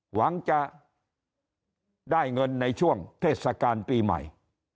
หวังจะได้เงินในช่วงเทศกาลปีใหม่